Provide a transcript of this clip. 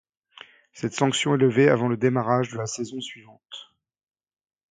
Cette sanction est levée avant le démarrage de la saison suivante.